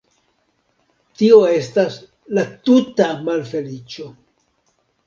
Tio estas la tuta malfeliĉo!